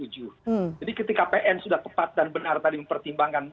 jadi ketika pn sudah tepat dan benar tadi mempertimbangkan